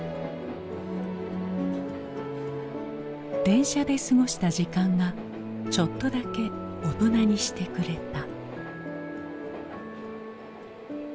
電車で過ごした時間がちょっとだけ大人にしてくれた。